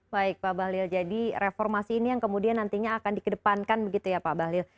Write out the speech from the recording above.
baik pak bahlil jadi reformasi ini yang kemudian nantinya akan dikedepankan begitu ya pak bahlil